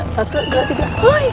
satu dua tiga